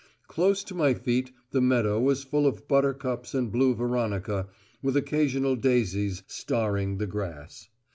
Close to my feet the meadow was full of buttercups and blue veronica, with occasional daisies starring the grass.